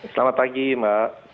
selamat pagi mbak